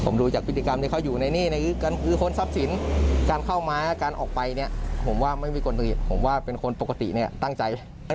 ผมดูจากพิการเข้าอยู่ในนี้ในคุณทรัพย์สินการเข้ามากับเขาออกไปเนี่ย